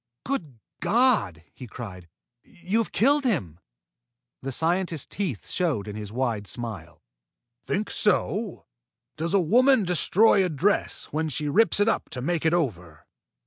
"Good God!" he cried. "You have killed him." The scientist's teeth showed in his wide smile. "Think so? Does a woman destroy a dress when she rips it up to make it over?"